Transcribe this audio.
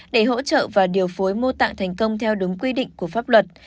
để hỗ trợ và điều phối mô tạng thành công theo đúng quy định của pháp luật